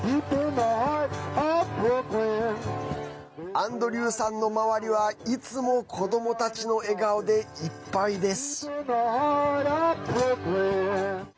アンドリューさんの周りはいつも子どもたちの笑顔でいっぱいです。